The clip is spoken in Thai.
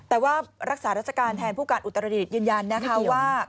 แต่ว่ารักษาราชการแทนผู้การอุตรดิษฐ์ยืนยันนะคะว่า